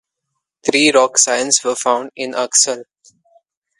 Three rock signs were found in Agsal.